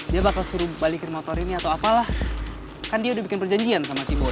dia bakal suruh balikin motor ini atau apalah kan dia udah bikin perjanjian sama si bo